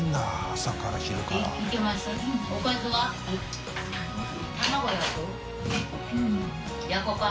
朝から昼から。